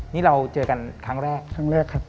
นี่เราเจอกันครั้งแรกครับ